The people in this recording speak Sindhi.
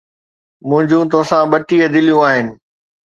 منھنجون توسان ٻٽيهه دليون آھن.